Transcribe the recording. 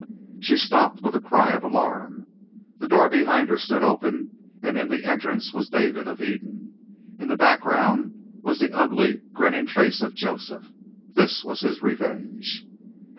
She stopped with a cry of alarm; the door behind her stood open and in the entrance was David of Eden. In the background was the ugly, grinning face of Joseph. This was his revenge.